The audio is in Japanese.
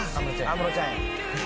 安室ちゃんや。